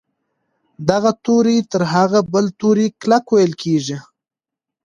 دغه توری تر هغه بل توري کلک ویل کیږي.